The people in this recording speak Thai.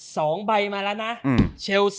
สองใบมาแล้วน่ะอืม